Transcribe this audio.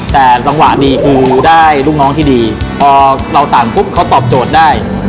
แต่จังหวะนี้คือได้ลูกน้องที่ดีพอเราสั่งปุ๊บเขาตอบโจทย์ได้